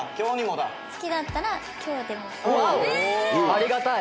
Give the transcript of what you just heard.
ありがたい。